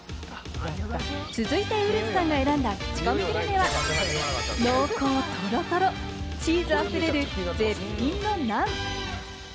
続いてウルフさんが選んだクチコミグルメは濃厚トロトロ、チーズあふれる絶品ナン。